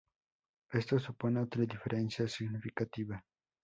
Esto supone otra diferencia significativa.